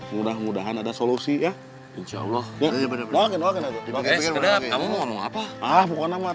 mudah mudahan ada solusi ya